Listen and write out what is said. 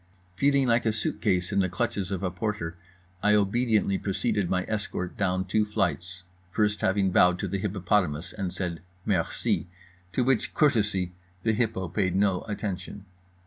Feeling like a suit case in the clutches of a porter, I obediently preceded my escort down two flights, first having bowed to the hippopotamus and said "Merci"—to which courtesy the Hippo paid no attention.